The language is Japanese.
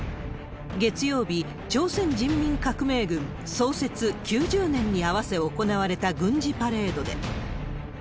月曜日、朝鮮人民革命軍創設９０年に合わせ行われた軍事パレードで。